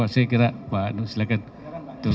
saya kira pak anus silahkan